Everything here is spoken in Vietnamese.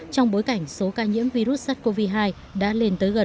trong bối cảnh số ca nhiễm virus sars cov hai đã lên tới gần ba bảy